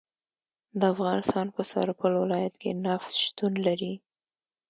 د افغانستان په سرپل ولایت کې نفت شتون لري